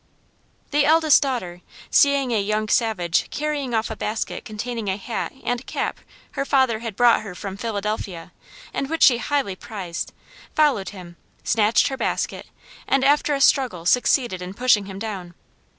The eldest daughter, seeing a young savage carrying off a basket containing a hat and cap her father had brought her from Philadelphia, and which she highly prized, followed him, snatched her basket, and after a struggle succeeded in pushing him down.